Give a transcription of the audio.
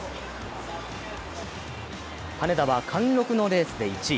羽根田は貫禄のレースで１位。